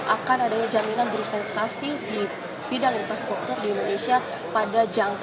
akan adanya jaminan berifensasi di bidang infrastruktur di indonesia pada jangka lima belas tahun